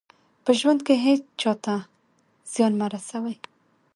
په ژوند کې هېڅ چا ته زیان مه رسوئ.